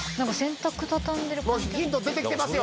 もうヒント出てきてますよ。